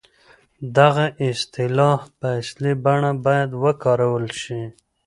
دغه اصطلاح په اصلي بڼه بايد وکارول شي.